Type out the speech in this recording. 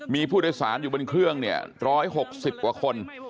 มีผู้โดยสารอยู่บนเครื่องเนี่ยร้อยหกสิบกว่าคน